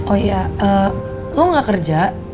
oh iya kamu gak kerja